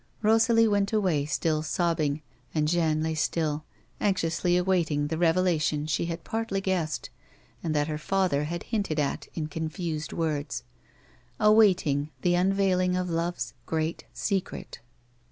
Rosalie went away still sobbing, and Jeanne lay still, anxiously awaiting the revelation she had partly guessed, and that her father had hinted at in confused words— awaiting the unveiling of love's great secret.